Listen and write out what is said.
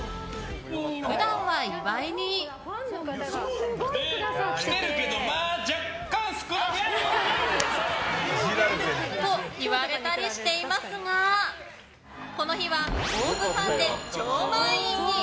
普段は岩井に。と、言われたりしていますがこの日はＯＷＶファンで超満員に。